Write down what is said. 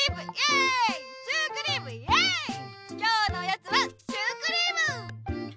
今日のおやつはシュークリーム！